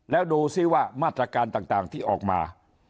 แล้วดูซิว่ามาตรการต่างที่ออกมา